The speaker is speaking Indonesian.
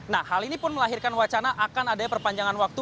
nah hal ini pun melahirkan wacana akan adanya perpanjangan waktu